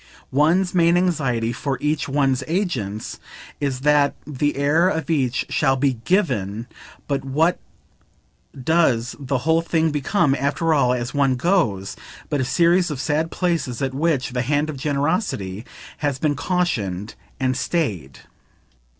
One's main anxiety, for each one's agents, is that the air of each shall be GIVEN; but what does the whole thing become, after all, as one goes, but a series of sad places at which the hand of generosity has been cautioned and stayed?